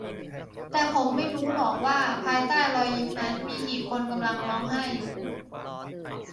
แต่ผมไม่รู้หรอกว่าภายใต้รอยยิ้มนั้นมีกี่คนกำลังร้องไห้อยู่